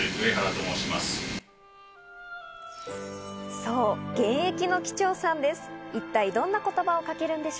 そう、現役の機長さんです。